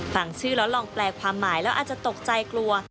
ฟังชื่อแล้วลองแปลความหมายแล้วอาจจะตกใจกลัว